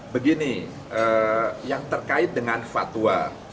begini yang terkait dengan fatwa